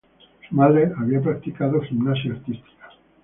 Su madre había practicado gimnasia artística.